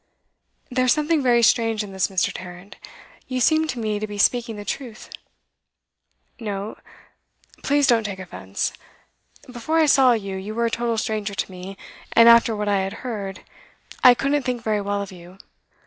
'There's something very strange in this, Mr. Tarrant. You seem to me to be speaking the truth. No, please don't take offence. Before I saw you, you were a total stranger to me, and after what I had heard, I couldn't think very well of you.